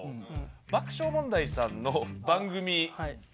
爆笑問題さんの番組僕